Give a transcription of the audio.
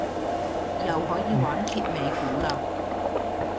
又可以玩揭尾故嘞